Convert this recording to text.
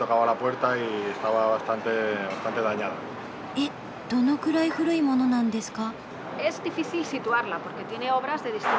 えっどのくらい古いものなんですか？